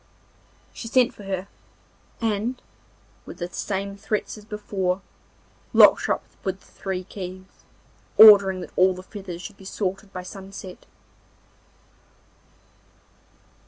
She sent for her, and with the same threats as before locked her up with the three keys, ordering that all the feathers should be sorted by sunset.